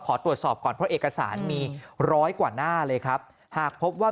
ขอตรวจสอบก่อนเพราะเอกสารมีร้อยกว่าหน้าเลยครับหากพบว่า